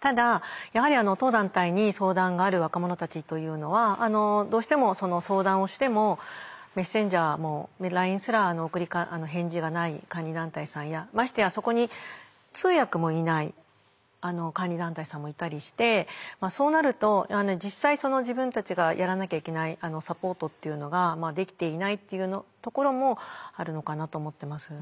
ただやはり当団体に相談がある若者たちというのはどうしてもその相談をしてもメッセンジャーもＬＩＮＥすら返事がない監理団体さんやましてやそこに通訳もいない監理団体さんもいたりしてそうなると実際自分たちがやらなきゃいけないサポートっていうのができていないっていうところもあるのかなと思ってます。